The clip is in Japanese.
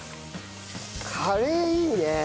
カレーいいね。